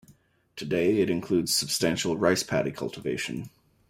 Today, it includes substantial rice paddy cultivation.